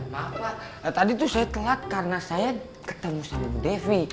bahwa tadi itu saya telat karena saya ketemu sama bu devi